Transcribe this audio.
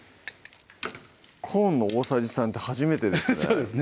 コーンの大さじ３って初めてですね